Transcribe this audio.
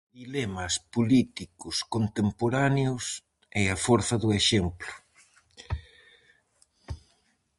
Dilemas políticos contemporáneos e a forza do exemplo.